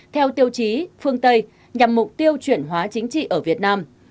theo tiêu chí phương tây nhằm mục tiêu chuyển hóa chính trị ở việt nam